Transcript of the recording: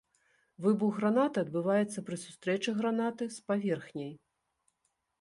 Выбух гранаты адбываецца пры сустрэчы гранаты с паверхняй.